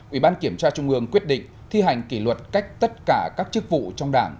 ủy ban kiểm tra trung ương quyết định thi hành kỷ luật cách tất cả các chức vụ trong đảng